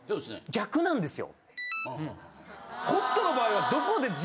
逆なんですよ！